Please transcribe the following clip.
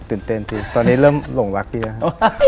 ตื่นเต้นจริงตอนนี้เริ่มหลงวักดีนะครับ